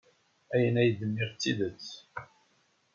Ayen ay d-nniɣ d tidet.